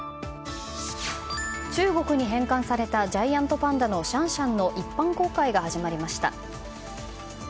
中国に返還されたジャイアントパンダのシャンシャンの一般公開が始まりました。